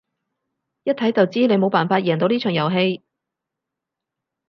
一睇就知你冇辦法贏到呢場遊戲